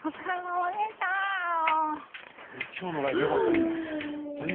今日のライブよかったんじゃない？